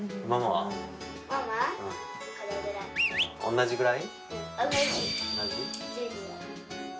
同じぐらい？